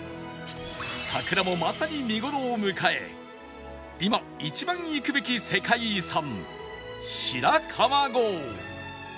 桜もまさに見頃を迎え今一番行くべき世界遺産白川郷